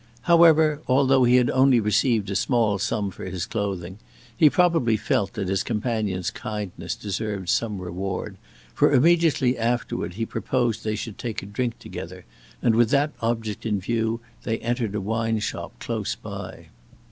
However, although he had only received a small sum for his clothing, he probably felt that his companion's kindness deserved some reward; for immediately afterward he proposed they should take a drink together, and with that object in view they entered a wine shop close by.